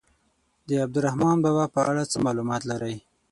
د عبدالرحمان بابا په اړه څه معلومات لرئ.